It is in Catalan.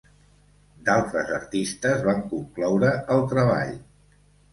D'altres artistes van concloure el treball.